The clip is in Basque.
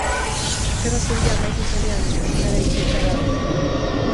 Gerra Zibila amaitu zenean Espainiara itzultzea erabaki zuen.